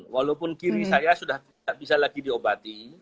walaupun kiri saya sudah tidak bisa lagi diobati